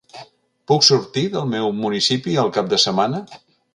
Puc sortir del meu municipi el cap de setmana?